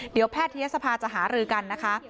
เดี๋ยวแพทยศภาจะหารือกันนะคะ